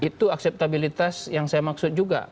itu akseptabilitas yang saya maksud juga